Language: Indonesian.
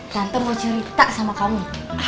tante mau cerita sama kami